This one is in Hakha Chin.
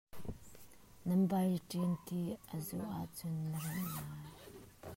Nan balṭin ti a zut ahcun na remh lai.